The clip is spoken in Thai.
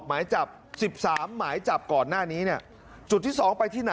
หมายจับ๑๓หมายจับก่อนหน้านี้เนี่ยจุดที่สองไปที่ไหน